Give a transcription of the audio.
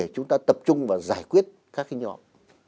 các cái nhóm